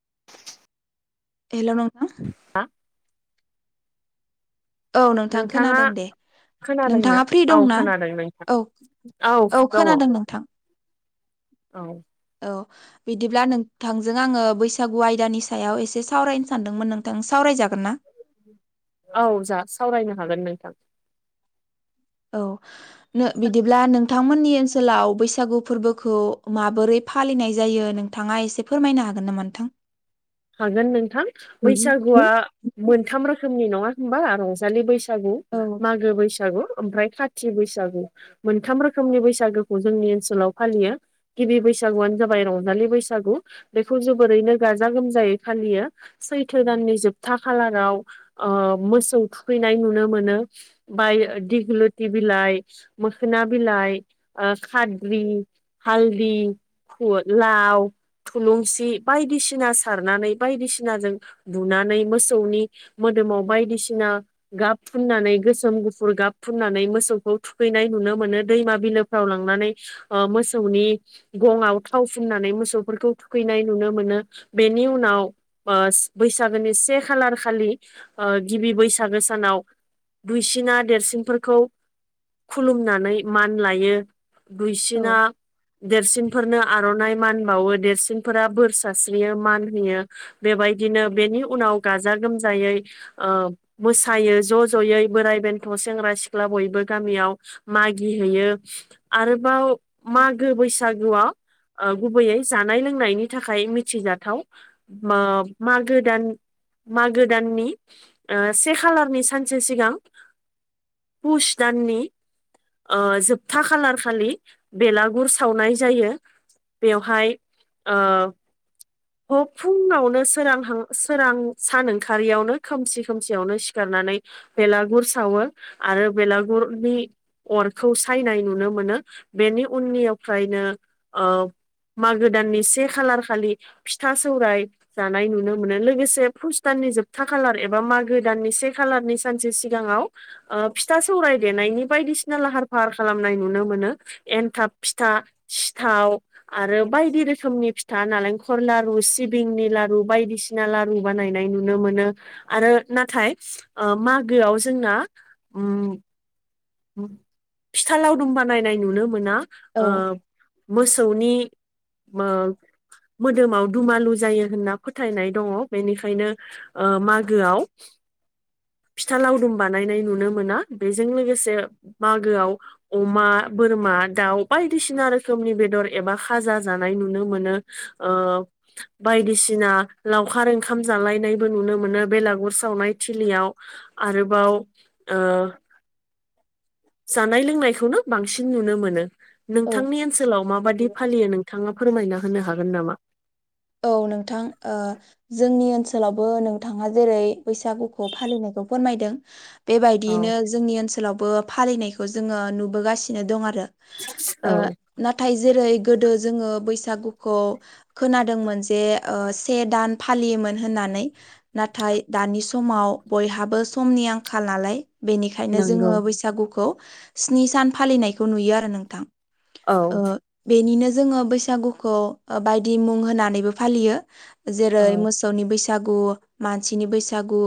[inaudible] Hello नों हा औ नोंथां खोनादों दे। खोनादोंना नोंथाङा फ्रि औ दंना? खोनादों नोंथां औ औ खोनादों नोंथां औ बिदिब्ला नोंथांजों आङो बैसागु आयदानि सायाव एसे सावरायनो सानदोंमोन नोंथां सावराय जागोन ना औ जा सावरायनो हागोन नोंथां। औ बिदिब्ला नों नोंथांमोननि ओनसोलाव बैसागु फोरबोखौ माबोरै फालिनाय जायो नोंथाङा एसे फोरमायनो हायो हागोन नामा नोंथां? हागोन नोंथां बैसागुआ मोनथाम रोखोमनि नङा होनबा रंजालि बैसागु बैसागु औ मागो बैसागु ओमफ्राय खाथि बैसागु मोनथाम रोखोमनि बैसागुखौ जोंनि ओनसोलाव फालियो गिबि बैसागुआनो जाबाय रजालि बैसागु बेखौ जोरैनो गाजा गोम जायै फालियो सैथो दाननि जोबथा खालाराव मोसौ थुखैनाय नुनो मोन मोनो बा दिगिलिथि बिलाय मोखोना बिलाय ओ खाथ्रि हालदि [unintelligible] लाव थुलुंसि बायदिसिना सारनानै बायदिसिनाजों बुनानै मोसौनि मोदोमाव बायदिसिना गाब फुननानै गोसोम गुफुर गाब फुननानै मोसौखौ थुखैनाय नुनो मोनो दैमा बिलोफ्राव लांनानै मोसौनि गङआव थाव फुननानै मोसौफोरखौ थुखैनाय नुनो मोनो बेनि उनाव बैसागोनि से खालार खालि गिबि बैसागो सानाव दुइसिना देरसिनफोरखौ खुलुमनानै मान लायो। औ दुइसिना देरसिनफोरनो आर'नाइ मान बावो देरसिनफोरा बोरसासे म होयो बेबायदिनो बेनि उनाव गाजा गोमजायै मो सायो ज' ज'यै बोराइ बेन्थ' सेंग्रा सिख्ला बयबो गामियाव मागि हैैयो आरोबाव मागो बैसागोआव गुबैयै जानाय लोंनायनि थाखाय मिथिजाथाव मागो दान मागो दाननि से खालारनि सानसे सिगां फुस दान्नि जोबथा खालार खालि बेलागुर सावनाय जायो बेवहाय ओ ह फुङावनो सोरां सोरां सानो खारियावनो खोमसि खोमसियावनो सिखारनानै बेलागुर सावो आरो बेलागुरनि अरखौ सायनाय नुनो मोनो बेनि उननियावफ्रायनो मागो दाननि से खालार खालि फिथा सौराय जानाय नुनो मोनो लोगोसे फुस दाननि जोबथा खालार एबा मागो दाननि से खालारनि सानसे सिगाङाव फिथा सौर देनायनि बायदिसिना लाहार फाहार खालामनाय नुनो मोनो एन्थाब फिथा सिथाव आरो बायदि रोखोमनि फिथा नालें- खर लारु सिबिंनि लारु बायदिसिना लारु बानायनाय नुनो मोनो आरो नाथाय ओ मागोआव जोंना उम फिथा लावदुम बानायनाय नुनो मोना ओ मोसौनि [inaudible] मो मोदोमाव दुमालु जायो होनना फोथायनाय दङ बेनिखायनो ओ मागोआव फिथा लावदुम बानायनाय नुनो मोना बेजों लोगोसे से मागोआव अमा बोरमा दाउ बायदिसिना रोखनि बेर एबा खाज जानाय नुनोमोनो ओ बायदिसिना लावखार ओंखाम जालायनाय नुनो मोनो बे लागुर सावनाय थिलियाव आरोबाव ओ जानाय लोंनायखौनो बांसिन नुनो मोनो। औ नोंथांनि ओनसोलाव माबादि फालियो नोंथाङा फोरमायना होनो हागोन नामा? औ नोंथां ओ जोंनि ओनसोल ओनसोलावबो नोंथाङा जेरै बैसागुखौ फालिनायखौ फोरमायदों। औ बेबायदियैनो जोंनि ओनसोलावबो फालिनायखौ जोङो नुबोगासिनो दं आरो। ओ औ नाथाय जेरै गोदो जोङो बैसागुखौ खोना दोंमोन से दान फालियोमोन होननानै नाथाय दानि समाव बय बेहाबो समनि आंखाल नालाय बेनिखायनो नंगौ जोङो बैसागुखौ स्नि सान फालिनायखौ नुयो आरो नोंथां औ ओ बेनिनो जोङो बैसागुखौ बायदि मुं होनानैबो फालियो जेरै औ मोसौनि बैसो बैसागु मानसिनि बैसागु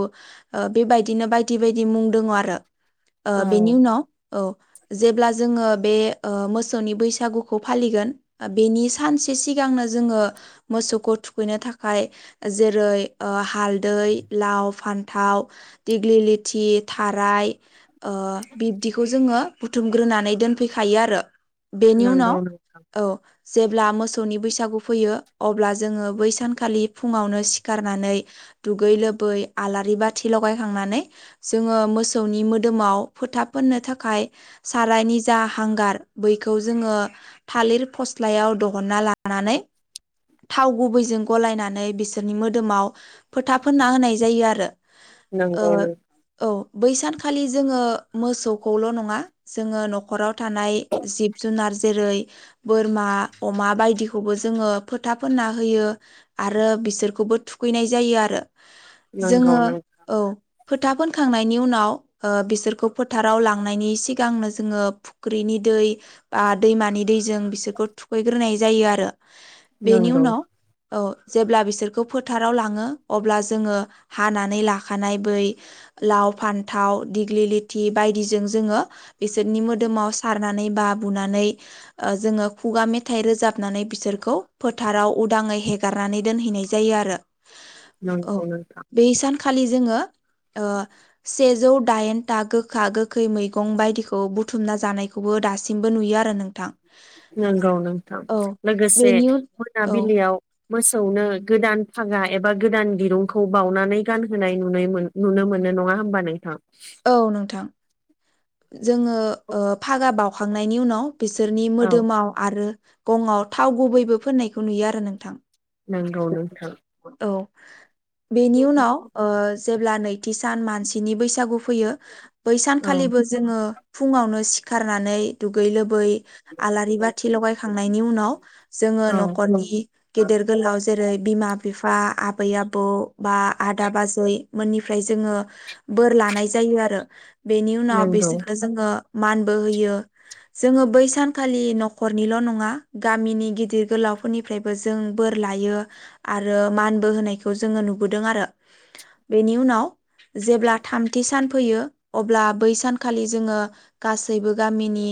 बेबायदिनो बायदि बायदि मुं दङ आरो ओ बेनि औ उनाव औ जेब्ला जोङो बे ओ मोसौनि बैसागुखौ फालिगोन बेनि सानसे सिगांनो जोङो मोसौखौ थुखैनो थाखाय जेरै हालदै, लाव, फान्थाव दिग्लि लिथि थाराय ओ बिब्दिखौ जोङो बुथुमग्रोनानै दोन फैखायो आरो बेनि उनाव नंगौ औ जेब्ला मोसौनि बैसागु फैयो अब्ला जोङो बै सानखालि फुङावनो सिखारनानै दुगै लोबै आलारि बाथिलाव खांनानै जोंओ मोसौनि मोदोमोउ फोथा फोन्नो थाखाय सारायनि जा हांगार बैखौ जोङो थालिर फस्लायाव दिहन्ना लानानै थाव गुबैजों गलायनानै बिसोरनि मोदोमाव फोथा फोनना होनाय जायो आरो नंगौनो बैसानखालि जोङो मोसौखौल' नङा जोङो न'खराव थानाय जिब जुनार जेरै बोरमा अमा बायदिखौबो जोङो फोथा फोनना होयो आरो बिसोरखौबो थुखैनाय जायो आरो नंगौ जोङो नंगौ औ फोथा फोनखांनायनि उनाव ओ बिसोरखौ फोथाराव लांनायनि सिगांनो जोङो फुख्रिनि दै बा दैमानि दैजों बिसोरखौ थुखैग्रोनाय जायो आरो बेनि नांगौ उनाव औ जेब्ला बिसोरखौ फोथाराव लाङो अब्ला जोङो हानानै लाखानाय बै लाव, फान्थाव, दिग्लि लिथि बायदिजों जोङो बिसोरनि मोदोमाव सारनानै बा ला बुनानै जोङो खुगा मेथाइ रोजाबनानै बिसोरखौ फोथाराव उदाङै हेगारनानै दोनहैनाय जायो आरो नंगौ नोंथां खालि जोङो सेजौ दाइनथागोखागो खै मैगं बायदिखौ बुथुमना जानायखौबो दासिमबो नुयो आरो नोंथां नंगौ नोंथां औ लोगोसे बेनि उन औ मोनाबिलियाव मोसौनो गोदान फागा एबा गोदान दिरुंखौ बावनानै गानहोनाय नुनै मो नुनो मोनो नङा होमबा नोंथां औ नोंथां जोङो फागा बाउखांनायनि उनाव बिसोरनि औ मोदोमाव आरो गंआव थाव गुबैबो फोननायखौ नुयो आरो नोंथां नंगौ नोंथां औ बेनि उनाव जेब्ला नैथि सान मानसिनि बैसागु फैयो बै औ सानखालिबो जोङो फुङावनो सिखारनानै दुगै लोबै आलारि बाथि लगायखांनायनि उनाव जोङो औ नखर'नि गेदेर गोलाव जेरै बिमा- बिफा, आबै -आबौ बा आदा -बाजै मोननिफ्राय जोङो बोर लानाय जायो आरो बेनि उनाव नंगौ बिसोरखो जोङो मानबो होयो जोङो बै सानखालि न'खरनिल' नङा गामिनि गिदिर गोलाव हाफोरनिफ्रायबो जों बोर लायो आरो मानबो होनायखौ जोङो नुबोदों आरो बेनि उनाव जेब्ला थामथि सान फैयो अब्ला बै सानखालि जोङो गासैबो गामिनि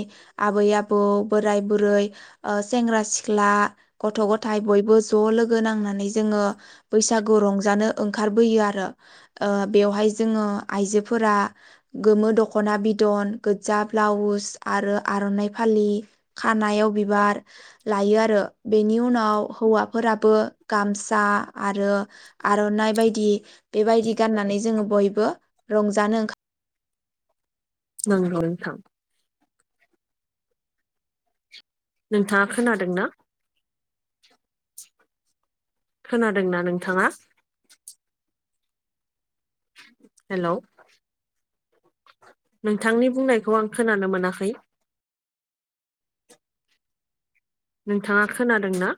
आबै -आब, ' बोराय- बुरै ओ सेंग्रा - सिख्ला, गथ'- गथाय बयबो ज' लोगो गो नांनानै जोङो बैसागु रंजानो ओंखारबोयो आरो अ बेयावहाय जोङो आइजोफोरा गोमो दखना बिदन गोज्जा ब्लाउस आरो आर'नाइ फालि खानायाव बिबार लायो आरो बेनि उनाव हौवाफोरा बो गामसा आरो आर'नाइ बायदि बेबायदि गाननानै जों बयबो बो रंजानो ओंखार नंगो नोंथां नोंथाङा खोनादों ना खोनादोंना नोंथाङा हेल' नोंथांनि बुंनायखौ आं खोनानो मोनाखै नोंथाङा खोनादोंना